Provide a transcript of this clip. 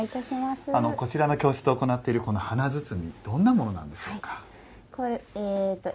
こちらの教室で行っている華包どんなものなんでしょうか。